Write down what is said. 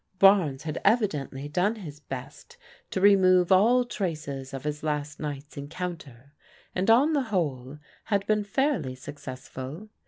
Barnes had evidently done his best to remove all traces of his last night's encounter, and on the whole had been fairly successful.